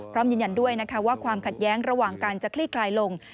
พร้อมยืนยันด้วยนะคะว่าความขัดแย้งระหว่างการจะคลี่คลายลง